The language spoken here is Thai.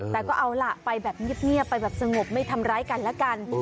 แต่ก็เอาล่ะไปแบบเงียบไปแบบสงบไม่ทำร้ายกันแล้วกัน